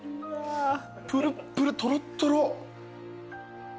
ぷるっぷるとろっとろ。